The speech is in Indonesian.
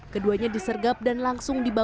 keduanya disergap dan langsung ke depok